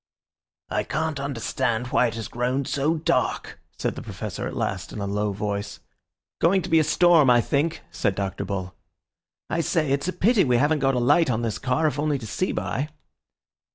"I can't understand why it has grown so dark," said the Professor at last in a low voice. "Going to be a storm, I think," said Dr. Bull. "I say, it's a pity we haven't got a light on this car, if only to see by."